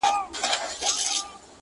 زه او شیخ یې را وتلي بس په تمه د کرم یو,